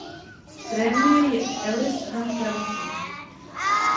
Trénuje ji Alice Han Carlsson.